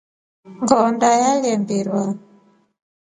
Ngoonda yenlya mbirurwa.